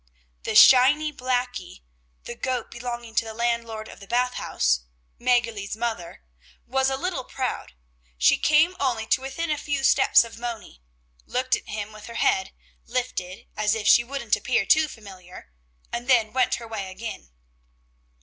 The shiny Blackie, the goat belonging to the landlord of the Bath House, Mäggerli's mother, was a little proud; she came only to within a few steps of Moni, looked at him with her head lifted, as if she wouldn't appear too familiar, and then went her way again.